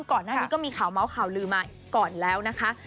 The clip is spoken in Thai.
ก่อนหน้านี้ก็มีข่าวเมาส์ข่าวลือมาก่อนแล้วนะคะ